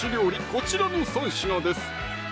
こちらの３品です